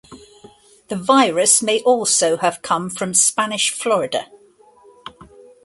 The virus may also have come from Spanish Florida.